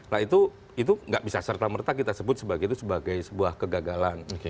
nah itu nggak bisa serta merta kita sebut sebagai sebuah kegagalan